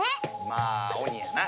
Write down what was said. まあ「おに」やな。